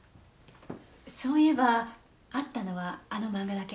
そういえばあったのはあの漫画だけ。